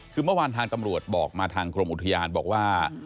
คือเมื่อวานทางตำรวจบอกมาทางกรมอุทยานบอกว่า